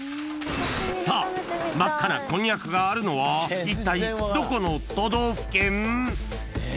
［さあ真っ赤なこんにゃくがあるのはいったいどこの都道府県？］